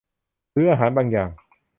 หรืออาหารบางอย่าง